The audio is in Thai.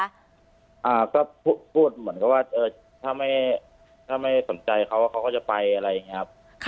อ่าก็พูดเหมือนกับว่าเออถ้าไม่ถ้าไม่สนใจเขาเขาก็จะไปอะไรอย่างนี้ครับ